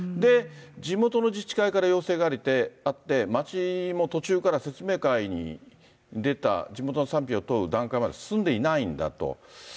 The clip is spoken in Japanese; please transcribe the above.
地元の自治会から要請があって、町も途中から説明会に出た地元の賛否を問う段階まで進んでいないんだと。